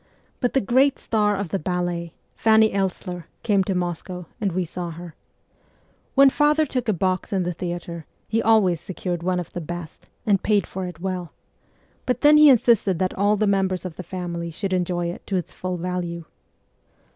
But the great star of the ballet, Fanny Elssler, came to Moscow, and we saw her. When father took a box in the theatre, he always secured one of the best, and paid for it well ; but then he insisted that all the members of the family should enjoy it to its full value.